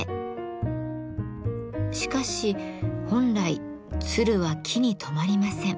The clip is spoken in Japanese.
しかし本来鶴は木にとまリません。